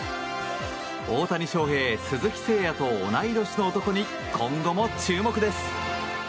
大谷翔平、鈴木誠也と同い年の男に今後も注目です。